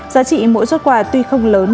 giá trị mỗi suất quà tuy không lớn